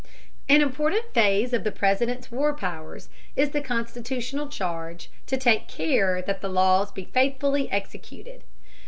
An important phase of the President's war powers is the constitutional charge to take care that the laws be faithfully executed.